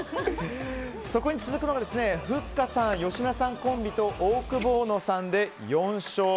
そこに続くのがふっかさん吉村さんコンビとオオクボーノさんで４勝。